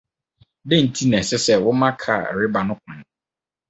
Dɛn nti na ɛsɛ sɛ woma kar a ɛreba no kwan?